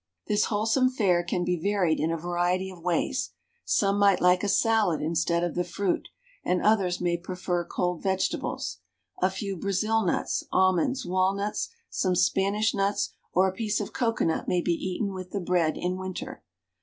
This wholesome fare can be varied in a variety of ways; some might like a salad instead of the fruit, and others may prefer cold vegetables. A few Brazil nuts, almonds, walnuts, some Spanish nuts, or a piece of cocoanut may be eaten with the bread in winter.